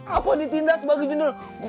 apa ditindas bagi junior